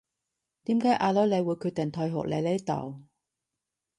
點解阿女你會決定退學嚟呢度